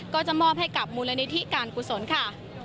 ก็จะมอบให้กับมูลนิธิการกุศลค่ะ